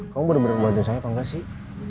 kamu bener bener ngelakuin saya apa enggak sih